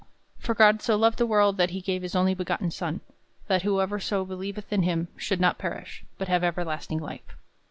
"For God so loved the world, that he gave his only begotten Son, that whosoever believeth in him should not perish, but have everlasting life."